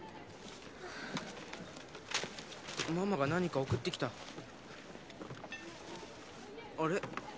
はぁママが何か送ってきたあれ？